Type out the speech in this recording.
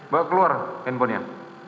bawa keluar handphonenya